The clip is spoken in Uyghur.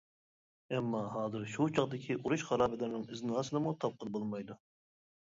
ئەمما ھازىر شۇ چاغدىكى ئۇرۇش خارابىلىرىنىڭ ئىزناسىنىمۇ تاپقىلى بولمايدۇ.